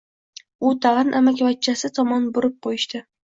U tag‘in amakivachchasi tomon burib qo‘yishdi.